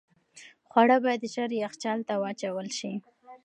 خواړه باید ژر یخچال ته واچول شي.